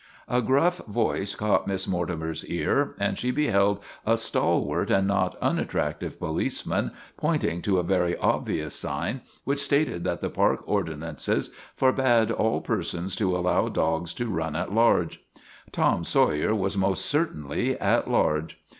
A gruff voice caught Miss Mortimer's ear, and she beheld a stalwart and not unattractive policeman pointing to a very obvious sign which stated that the park ordinances forbade all persons to allow dogs to run at large. Tom Sawyer was most certainly at large.